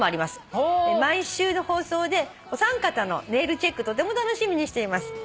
「毎週の放送でお三方のネイルチェックとても楽しみにしています」